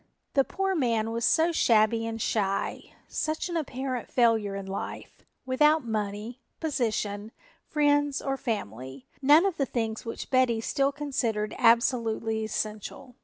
The poor man was so shabby and shy, such an apparent failure in life, without money, position, friends or family, none of the things which Betty still considered absolutely essential.